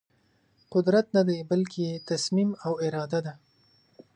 قدرت ندی بلکې تصمیم او اراده ده.